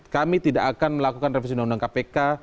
kami tidak akan melakukan revisi undang undang kpk